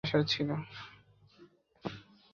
উত্তরটা তোমার কাছ থেকেই আসার ছিল।